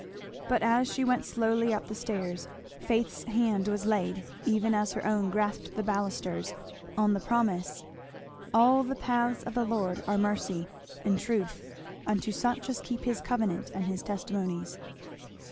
But as she went slowly up the stairs faith's hand was laid, even as her own grasped the balusters, on the promise, "All the paths of the Lord are mercy and truth unto such as keep his covenant and his testimonies."